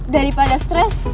daripada stres selamat